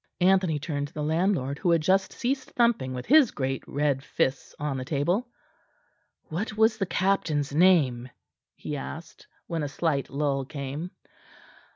Anthony turned to the landlord, who had just ceased thumping with his great red fists on the table. "What was the captain's name?" he asked, when a slight lull came.